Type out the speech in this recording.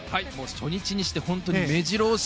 初日にして本当に目白押し。